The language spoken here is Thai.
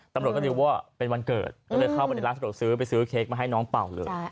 ตำรวจก็เรียกว่าเป็นวันเกิดก็เลยเข้าไปในร้านสะดวกซื้อไปซื้อเค้กมาให้น้องเป่าเลย